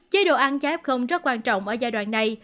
chế độ ăn cháy f rất quan trọng ở giai đoạn này